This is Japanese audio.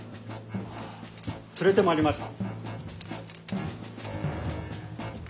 連れてまいりました。